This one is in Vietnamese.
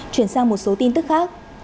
chuyển sang một số tin tức khác